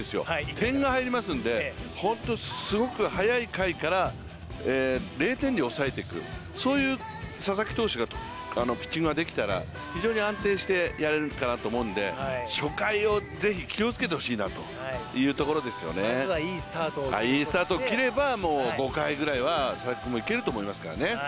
点が入りますので、本当にすごく早い回から０点に抑えていくそういう佐々木投手がピッチングができたら非常に安定してやれるかなと思うので初回をぜひ気をつけていただいてまずはいいスタートを切れば、５回ぐらいは佐々木君もいけると思いますからね。